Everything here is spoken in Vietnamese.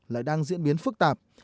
lại đang diễn biến phức tạp